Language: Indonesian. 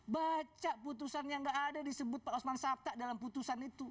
baca putusan yang gak ada disebut pak osman sabta dalam putusan itu